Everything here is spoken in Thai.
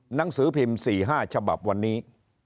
หนังสือพิมพ์๔๕ฉบับวันนี้